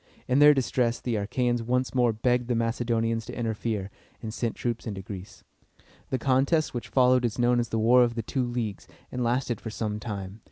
In their distress, the Achæans once more begged the Macedonians to interfere, and send troops into Greece. The contest which followed is known as the War of the Two Leagues, and lasted for some time.